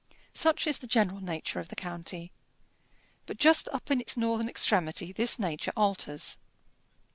Such is the general nature of the county; but just up in its northern extremity this nature alters.